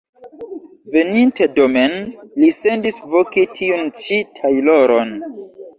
Veninte domen li sendis voki tiun ĉi tajloron.